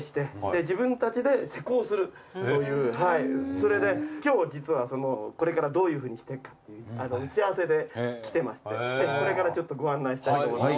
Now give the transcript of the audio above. それで今日実はこれからどういうふうにしていくかという打ち合わせで来てましてこれからちょっとご案内したいと思います。